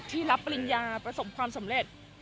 รับปริญญาประสบความสำเร็จ